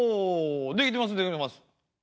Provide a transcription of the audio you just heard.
できてますできてます。